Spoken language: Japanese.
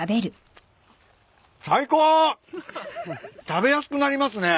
食べやすくなりますね。